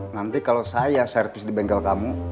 nanti kalau saya servis di bengkel kamu